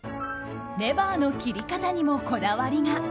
レバーの切り方にもこだわりが。